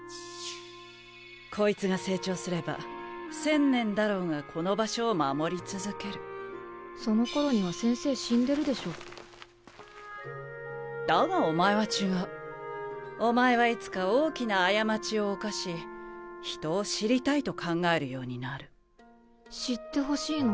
こいつが成長すれば１０００年だろうがこの場所を守り続けるその頃には先生死んでるでしょだがお前は違うお前はいつか大きな過ちを犯し人を知りたいと考えるようになる知ってほしいの？